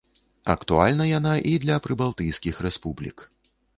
Актуальна яна і для прыбалтыйскіх рэспублік.